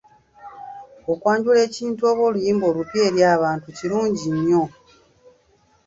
Okwanjula ekintu oba oluyimba olupya eri abantu kirungi nnyo.